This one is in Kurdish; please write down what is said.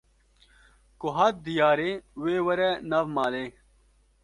Ku hat diyarê, wê were nav malê